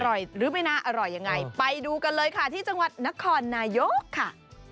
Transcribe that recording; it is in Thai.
หรือไม่น่าอร่อยยังไงไปดูกันเลยค่ะที่จังหวัดนครนายกค่ะ